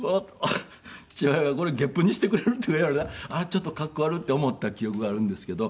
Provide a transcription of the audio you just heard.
父親が「これ月賦にしてくれる？」って言うからちょっとかっこ悪って思った記憶があるんですけど。